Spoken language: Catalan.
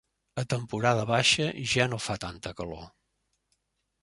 A temporada baixa ja no fa tanta calor.